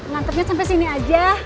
lantetnya sampai sini aja